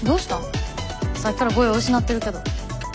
さっきから語彙を失ってるけど。